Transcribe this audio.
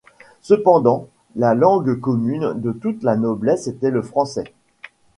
Cependant, la langue commune de toute la noblesse était le français.